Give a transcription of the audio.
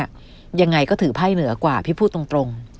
ยังไงก็ถือไพ่เหนือกว่าพี่พูดตรง